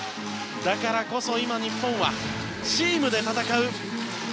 だからこそ今、日本はチームで戦う。